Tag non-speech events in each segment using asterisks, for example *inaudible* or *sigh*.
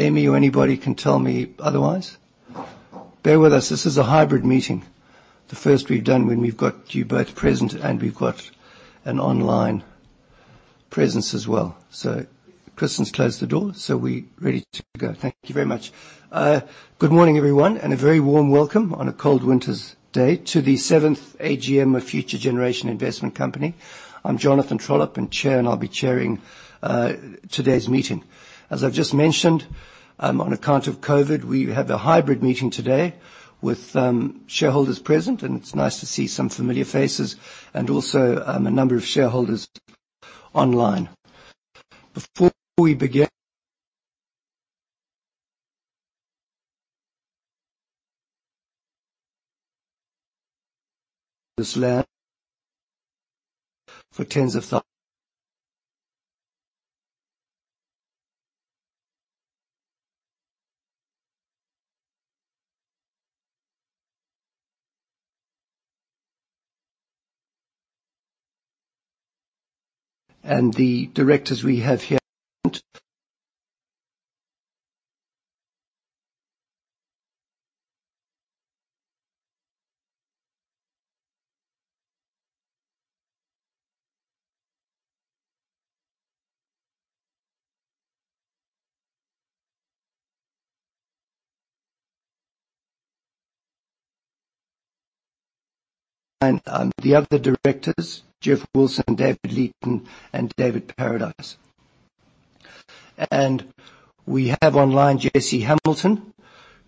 Amy or anybody can tell me otherwise. Bear with us. This is a hybrid meeting, the first we've done when we've got you both present and we've got an online presence as well. Kristen's closed the door, so we're ready to go. Thank you very much. Good morning, everyone, a very warm welcome on a cold winter's day to the seventh AGM of Future Generation Investment Company. I'm Jonathan Trollip and chair, I'll be chairing today's meeting. As I've just mentioned, on account of COVID, we have a hybrid meeting today with shareholders present, and it's nice to see some familiar faces and also a number of shareholders online. Before *audio distortion* we have here and the other directors, Geoff Wilson, David Leeton, and David Paradice. We have online Jesse Hamilton,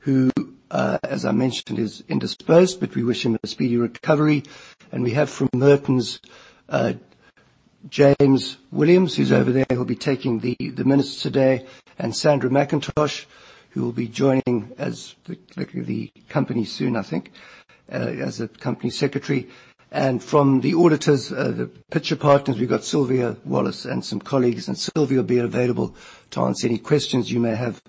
who, as I mentioned, is indisposed, but we wish him a speedy recovery. We have from Mertons, James Williams, who's over there, who'll be taking the minutes today, and Sandra McIntosh, who will be joining the company soon, I think, as a Company Secretary. From the auditors, Pitcher Partners, we've got Sylvia Wallace and some colleagues, and Sylvia will be available to answer any questions you may have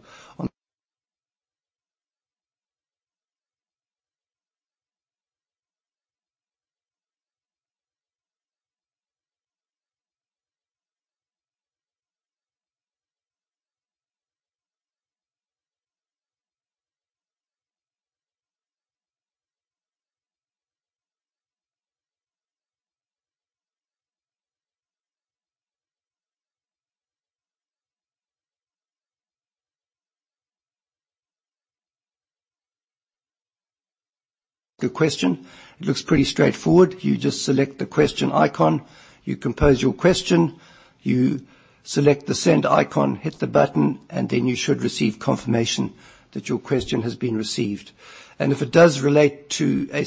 on the question. It looks pretty straightforward. You just select the question icon, you compose your question, you select the send icon, hit the button, and then you should receive confirmation that your question has been received. If it does relate to a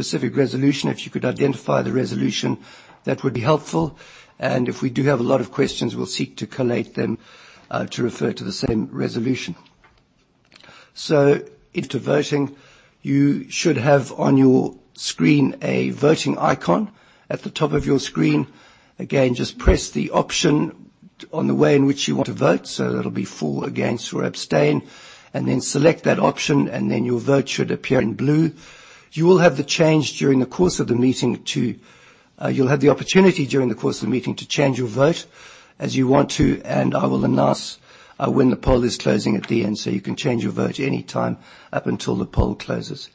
specific resolution, if you could identify the resolution, that would be helpful. If we do have a lot of questions, we'll seek to collate them to refer to the same resolution. Into voting, you should have on your screen a voting icon at the top of your screen. Again, just press the option on the way in which you want to vote. That'll be for, against, or abstain, and then select that option, and then your vote should appear in blue. You'll have the opportunity during the course of the meeting to change your vote as you want to, and I will announce when the poll is closing at the end, so you can change your vote any time up until the poll closes.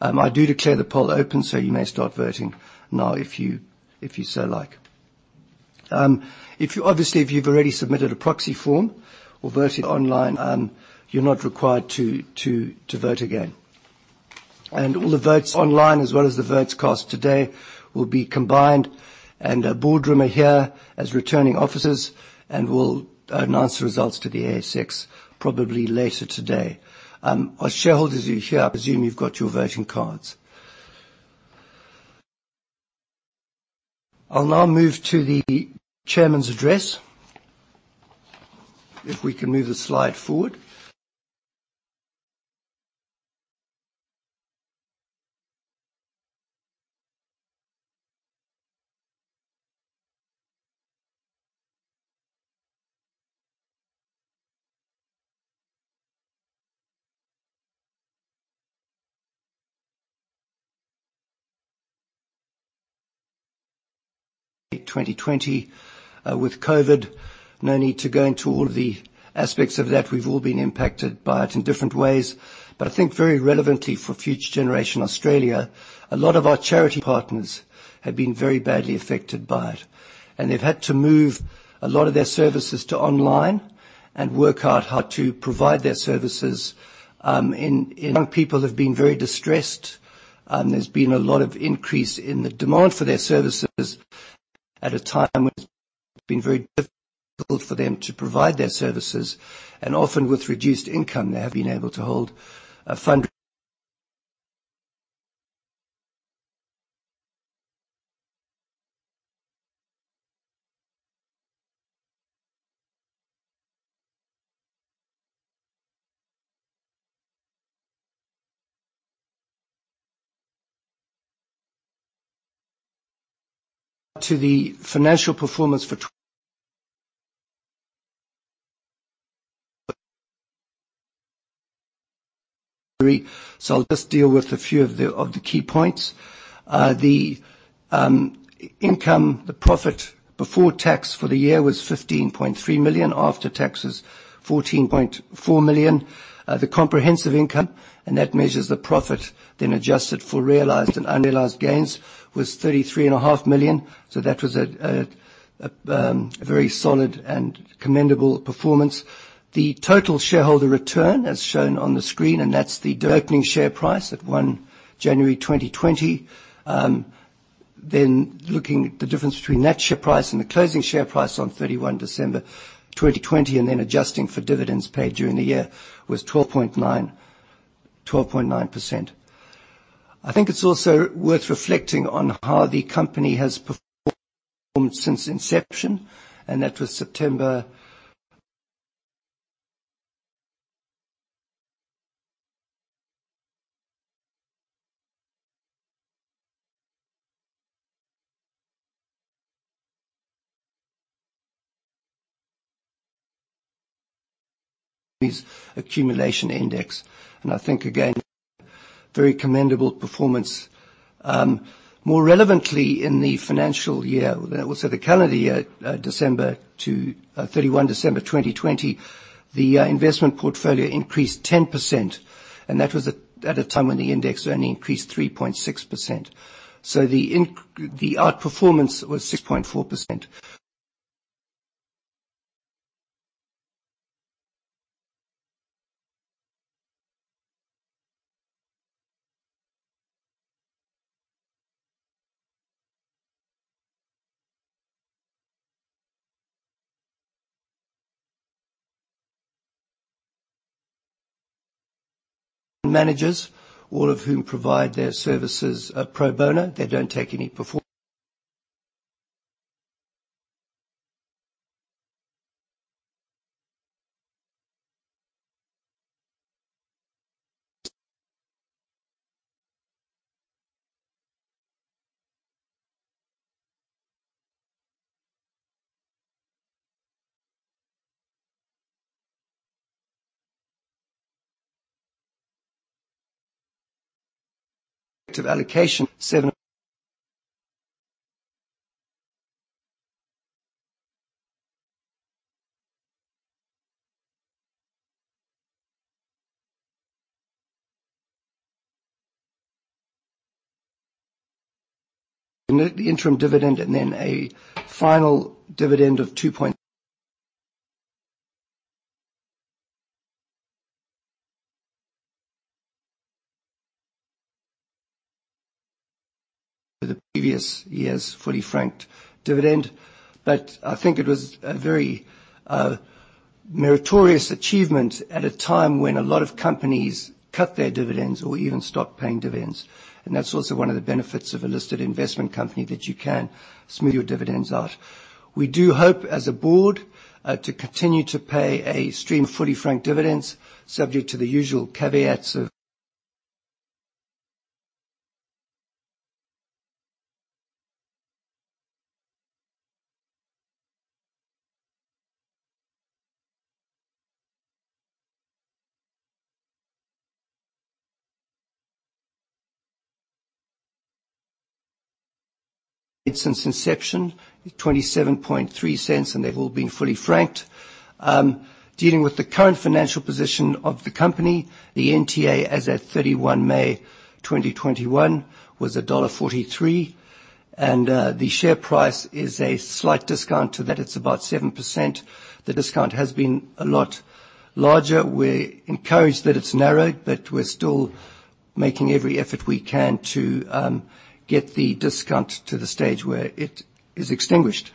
I do declare the poll open, so you may start voting now if you so like. Obviously, if you've already submitted a proxy form or voted online, you're not required to vote again. All the votes online, as well as the votes cast today, will be combined and Boardroom are here as returning officers and will announce the results to the ASX probably later today. Our shareholders who are here, I presume you've got your voting cards. I'll now move to the chairman's address. If we can move the slide forward. 2020 with COVID. No need to go into all the aspects of that. We've all been impacted by it in different ways. I think very relevantly for Future Generation Australia, a lot of our charity partners have been very badly affected by it, and they've had to move a lot of their services to online and work out how to provide their services. Young people have been very distressed. There's been a lot of increase in the demand for their services at a time when it's been very difficult for them to provide their services. Often with reduced income, I'll just deal with a few of the key points. The income, the profit before tax for the year was 15.3 million, after tax was 14.4 million. The comprehensive income, and that measures the profit then adjusted for realized and unrealized gains, was 33.5 million. That was a very solid and commendable performance. The total shareholder return, as shown on the screen, and that's the opening share price at January 1, 2020. Looking at the difference between that share price and the closing share price on December 31, 2020, and then adjusting for dividends paid during the year, was 12.9%. I think it's also worth reflecting on how the company has performed since inception, that was September accumulation index. I think again, very commendable performance. More relevantly, in the financial year, also the calendar year, December 31, 2020, the investment portfolio increased 10%, that was at a time when the index only increased 3.6%. The outperformance was 6.4%. Managers, all of whom provide their services pro bono. They don't take any performance allocation. *audio distortion* I think it was a very meritorious achievement at a time when a lot of companies cut their dividends or even stopped paying dividends. That's also one of the benefits of a listed investment company, that you can smooth your dividends out. We do hope, as a board, to continue to pay a stream of fully franked dividends subject to the usual caveats of since inception is AUD 0.273. They've all been fully franked. Dealing with the current financial position of the company, the NTA as at May 31, 2021 was dollar 1.43. The share price is a slight discount to that. It's about 7%. The discount has been a lot larger. We're encouraged that it's narrowed. We're still making every effort we can to get the discount to the stage where it is extinguished.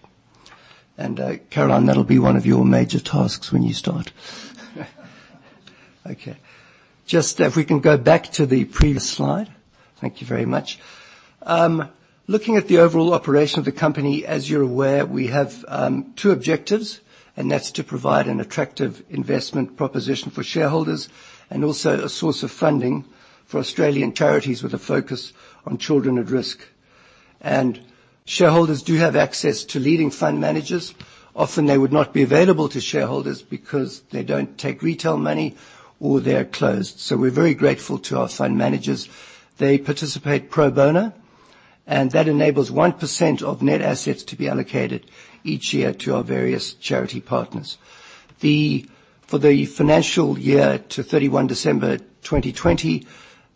Caroline, that'll be one of your major tasks when you start. Okay. If we can go back to the previous slide. Thank you very much. Looking at the overall operation of the company, as you're aware, we have two objectives, that's to provide an attractive investment proposition for shareholders and also a source of funding for Australian charities with a focus on children at risk. Shareholders do have access to leading fund managers. Often they would not be available to shareholders because they don't take retail money or they're closed. We're very grateful to our fund managers. They participate pro bono, and that enables 1% of net assets to be allocated each year to our various charity partners. For the financial year to December 31, 2020,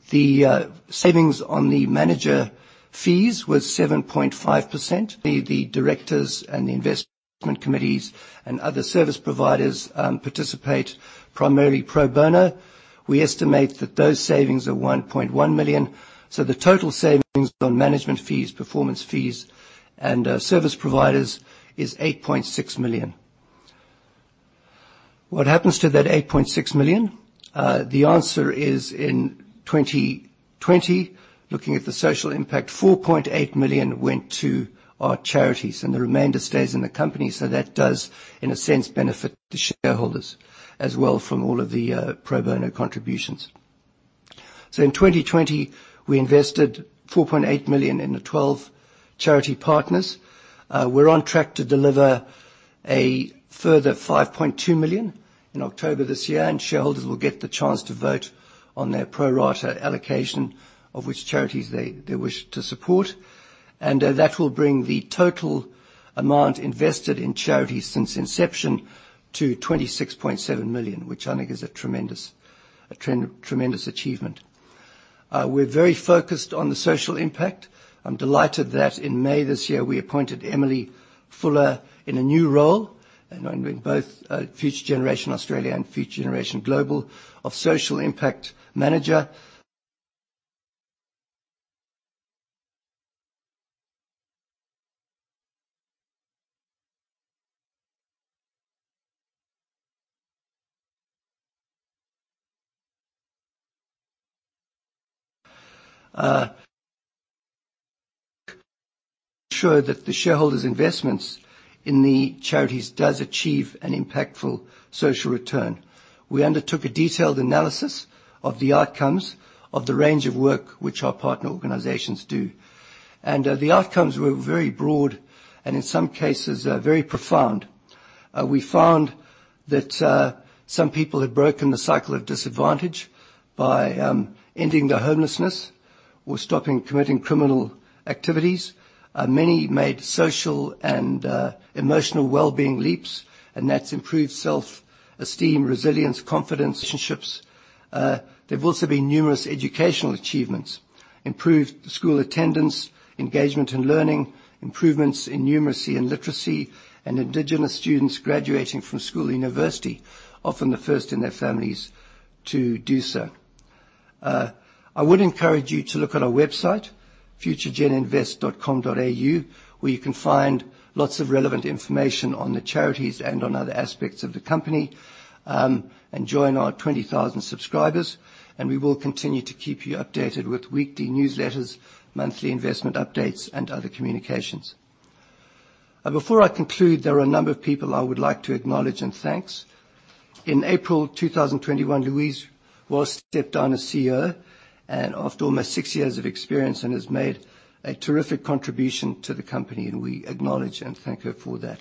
the savings on the manager fees was 7.5%. The directors and the investment committees and other service providers participate primarily pro bono. We estimate that those savings are 1.1 million. The total savings on management fees, performance fees, and service providers is 8.6 million. What happens to that 8.6 million? The answer is in 2020, looking at the social impact, 4.8 million went to our charities and the remainder stays in the company. That does, in a sense, benefit the shareholders as well from all of the pro bono contributions. In 2020, we invested 4.8 million in the 12 charity partners. We're on track to deliver a further 5.2 million in October this year, and shareholders will get the chance to vote on their pro rata allocation of which charities they wish to support. That will bring the total amount invested in charities since inception to 26.7 million, which I think is a tremendous achievement. We're very focused on the social impact. I'm delighted that in May this year, we appointed Emily Fuller in a new role, both Future Generation Australia and Future Generation Global, of social impact manager. To show that the shareholders' investments in the charities does achieve an impactful social return. We undertook a detailed analysis of the outcomes of the range of work which our partner organizations do, and the outcomes were very broad and in some cases, very profound. We found that some people had broken the cycle of disadvantage by ending their homelessness or stopping committing criminal activities. Many made social and emotional well-being leaps, and that's improved self-esteem, resilience, confidence, and relationships. There've also been numerous educational achievements, improved school attendance, engagement and learning, improvements in numeracy and literacy, and Indigenous students graduating from school and university, often the first in their families to do so. I would encourage you to look at our website, futuregeninvest.com.au, where you can find lots of relevant information on the charities and on other aspects of the company, and join our 20,000 subscribers, and we will continue to keep you updated with weekly newsletters, monthly investment updates, and other communications. Before I conclude, there are a number of people I would like to acknowledge and thank. In April 2021, Louise Walsh stepped down as CEO, and after almost six years of experience and has made a terrific contribution to the company. We acknowledge and thank her for that.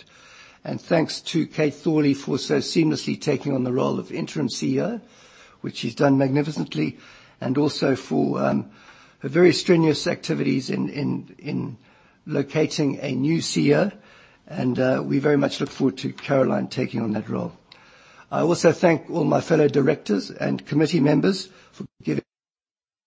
Thanks to Kate Thorley for so seamlessly taking on the role of interim CEO, which she's done magnificently, and also for her very strenuous activities in locating a new CEO, and we very much look forward to Caroline taking on that role. I also thank all my fellow directors and committee members for giving.